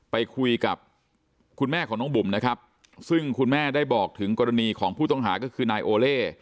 ไปคุยกับคุณแม่ของน้องบุ๋มนะครับซึ่งคุณแม่ได้บอกถึงกรณีของผู้ต้องหาก็คือนายโอเล่